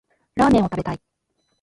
ラーメンを食べたい